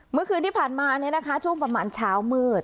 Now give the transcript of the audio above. เมื่อคืนที่ผ่านมาช่วงประมาณเช้ามืด